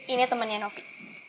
ini temennya novi